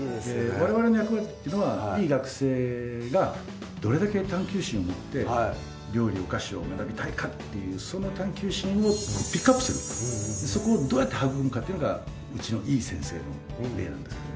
われわれの役割ってのはいい学生がどれだけ探究心を持って料理・お菓子を学びたいかっていうその探究心をピックアップするそこをどうやって育むかっていうのがうちのいい先生の例なんですけどね